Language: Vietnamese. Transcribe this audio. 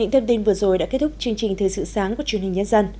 thông tin vừa rồi đã kết thúc chương trình thời sự sáng của truyền hình nhân dân